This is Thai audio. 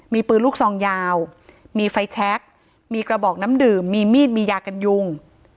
มีปืนลูกซองยาวมีไฟแชคมีกระบอกน้ำดื่มมีมีดมียากันยุง